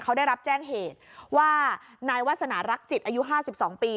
เขาได้รับแจ้งเหตุว่านายวาสนารักจิตอายุ๕๒ปี